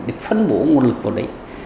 để phân bộ nguồn lực vào đấy